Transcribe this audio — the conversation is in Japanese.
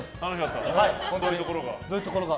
どういうところが？